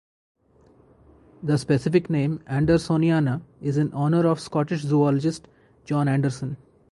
The specific name, "andersoniana", is in honor of Scottish zoologist John Anderson.